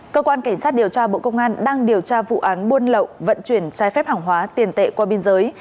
cơ quan cảnh sát điều tra bộ công an đang điều tra vụ án buôn lậu vận chuyển trái phép hàng hóa tiền tệ qua biên giới